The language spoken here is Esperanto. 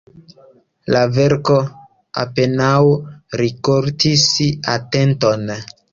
La verko apenaŭ rikoltis atenton.